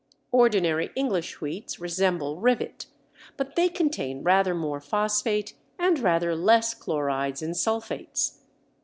Ordinary English wheats resemble Rivet, but they contain rather more phosphate and rather less chlorides and sulphates.